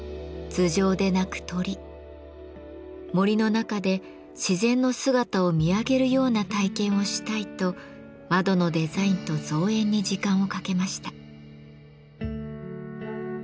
「森の中で自然の姿を見上げるような体験をしたい」と窓のデザインと造園に時間をかけました。